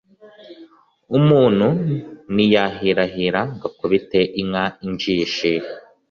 Umuntu ntiyahirahira ngo akubite inka injishi,